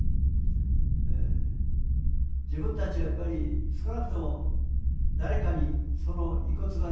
自分たちはやっぱり少なくとも誰かにその遺骨がね